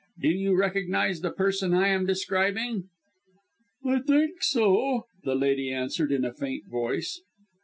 Do you recognize the person I am describing?" "I think so," the lady answered in a faint voice.